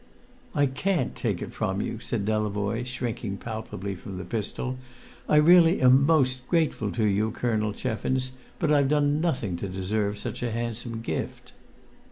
"I can't take it from you," said Delavoye, shrinking palpably from the pistol. "I really am most grateful to you, Colonel Cheffins, but I've done nothing to deserve such a handsome gift."